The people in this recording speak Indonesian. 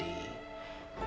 ini lagi masalahnya